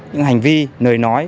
những hành vi nơi nói